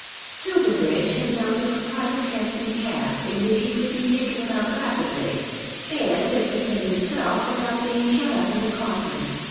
Silverbridge had mounted a private hansom cab in which he could be taken about rapidly, and, as he said himself, without being shut up in a coffin.